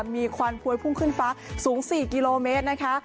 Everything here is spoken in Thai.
มีควันพวยพุ่งขึ้นฟ้าสูง๔กิโลเมตรนะคะ